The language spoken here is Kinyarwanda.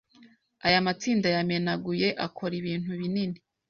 Aya matsinda yamenaguye akora ibintu binini